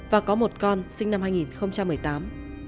và có một con sinh năm hai nghìn một mươi tám